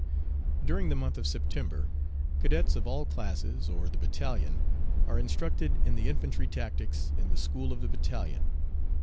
During the month of September cadets of all classes, or the battalion, are instructed in the infantry tactics in the "School of the Battalion."